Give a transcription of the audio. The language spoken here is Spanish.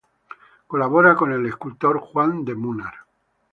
Colabora con el escultor Juan de Munar.